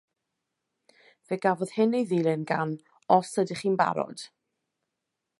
Fe gafodd hyn ei ddilyn gan Os Ydych chi'n Barod!